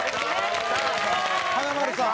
華丸さん